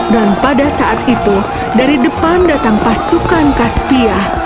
dan pada saat itu dari depan datang pasukan kaspia